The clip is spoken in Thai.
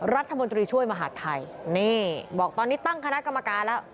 รัฐมนตรีช่วยมหาดไทยนี่บอกตอนนี้ตั้งคณะกรรมการแล้ว